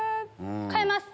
変えます。